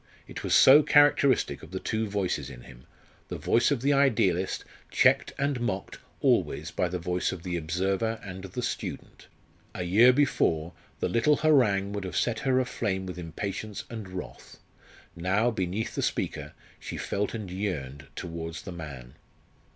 It was so characteristic of the two voices in him the voice of the idealist checked and mocked always by the voice of the observer and the student. A year before, the little harangue would have set her aflame with impatience and wrath. Now, beneath the speaker, she felt and yearned towards the man.